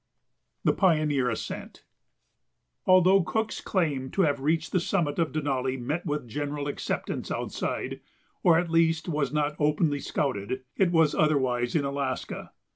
THE PIONEER ASCENT Although Cook's claim to have reached the summit of Denali met with general acceptance outside, or at least was not openly scouted, it was otherwise in Alaska.